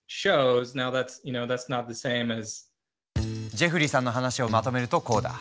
ジェフリーさんの話をまとめるとこうだ。